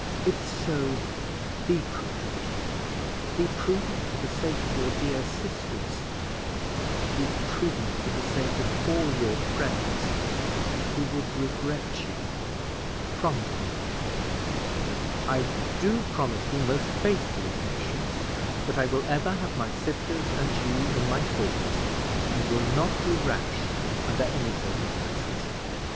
If so, be prudent be prudent for the sake of your dear sisters be prudent for the sake of all your friends, who would regret you promise me that." "I do promise you, most faithfully, Patience, that I will ever have my sisters and you in my thoughts, and will not be rash under any circumstances."